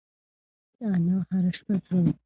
انا هره شپه ژاړي.